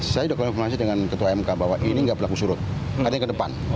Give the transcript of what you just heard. saya sudah konfirmasi dengan ketua mk bahwa ini nggak berlaku surut artinya ke depan